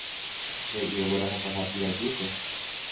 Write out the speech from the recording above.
he'i oguerahataha Pirajúpe